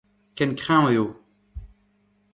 Ken kreñv eo.